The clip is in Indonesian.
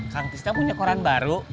kang pisto punya koran baru